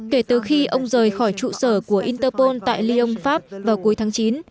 kể từ khi ông rời khỏi trụ sở của interpol tại lyon pháp vào cuối tháng chín